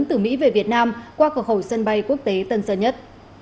từ mỹ về việt nam qua cửa khẩu sân bay quốc tế tân sơn nhất